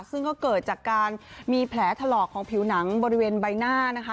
ซึ่งก็เกิดจากการมีแผลถลอกของผิวหนังบริเวณใบหน้านะคะ